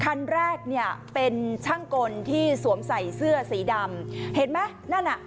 คันแรกเนี่ยเป็นช่างกลที่สวมใส่เสื้อสีดำเห็นไหมนั่นอ่ะ